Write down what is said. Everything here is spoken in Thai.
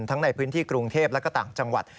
ทั้งในพื้นที่กรุงเทพและก็ต่างจังหวัด